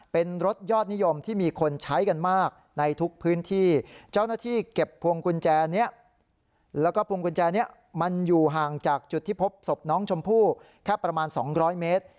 เป็นรถยอดนิยมที่มีคนใช้กันมากในทุกพื้นที่เจ้าหน้าที่เก็บพวงกุญแจนี้แล้วก็พวงกุญแจนี้มันอยู่ห่างจากจุดที่พบศพน้องชมพู่แค่ประมาณ๒๐๐เมตร